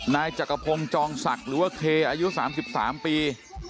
นายจักรพงศ์จองศักดิ์หรือว่าเคอายุ๓๓ปี